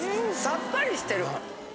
さっぱりしてる。